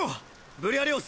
ブリアレオス！